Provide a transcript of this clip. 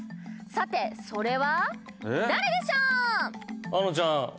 さてそれは誰でしょう？